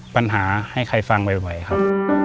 ปัญหาให้ใครฟังบ่อยครับ